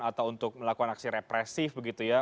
atau untuk melakukan aksi represif begitu ya